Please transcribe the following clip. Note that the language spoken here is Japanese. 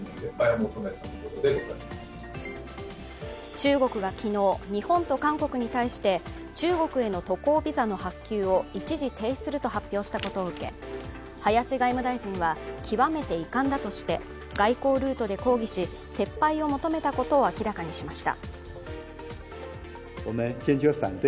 中国が昨日、日本と韓国に対して中国への渡航ビザの発給を一時停止すると発表したことを受け林外務大臣は極めて遺憾だとして外交ルートで抗議し撤廃を求めたことを明らかにしました。